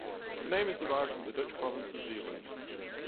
Its name is derived from the Dutch province of Zeeland.